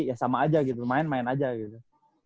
ya sama aja gitu main main aja gitu